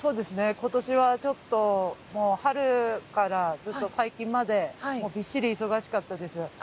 今年はちょっともう春からずっと最近までびっしり忙しかったです。